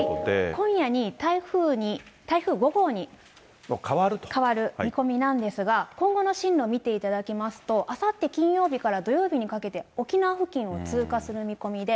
今夜に台風５号に変わる見込みなんですが、今後の進路、見ていただきますと、あさって金曜日から土曜日にかけて、沖縄付近を通過する見込みで。